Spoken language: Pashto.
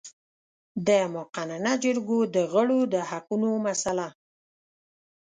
د مقننه جرګو د غړو د حقونو مسئله